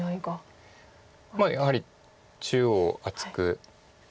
まあやはり中央を厚く。